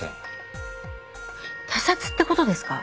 他殺って事ですか？